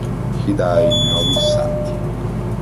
He died in Novi Sad.